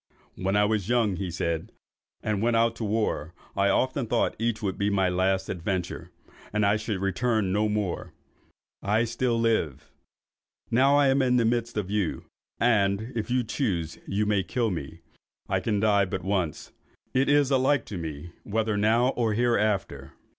"When I was young," he said, "and went out to war, I often thought each would be my last adventure, and I should return no more. I still lived. Now I am in the midst of you, and, if you choose, you may kill me. I can die but once. It is alike to me whether now or hereafter!"